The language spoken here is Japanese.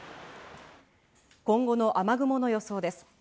今後の雨雲の予想です。